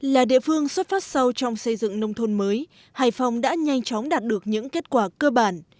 là địa phương xuất phát sâu trong xây dựng nông thôn mới hải phòng đã nhanh chóng đạt được những kết quả cơ bản